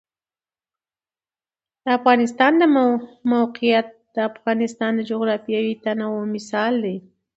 د افغانستان د موقعیت د افغانستان د جغرافیوي تنوع مثال دی.